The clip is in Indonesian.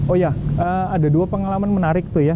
oh ya ada dua pengalaman menarik tuh ya